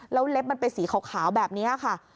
แล้วเล็บมันเป็นสีขาวแบบนี้ค่ะ